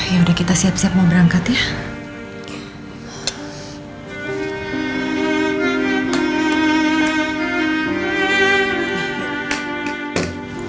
yaudah kita siap siap mau berangkat ya